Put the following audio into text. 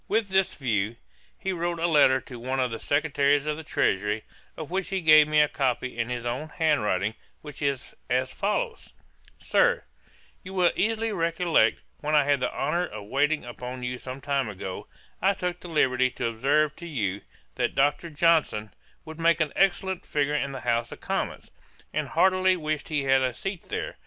With this view, he wrote a letter to one of the Secretaries of the Treasury, of which he gave me a copy in his own hand writing, which is as follows: 'SIR, 'You will easily recollect, when I had the honour of waiting upon you some time ago, I took the liberty to observe to you, that Dr. Johnson would make an excellent figure in the House of Commons, and heartily wished he had a seat there.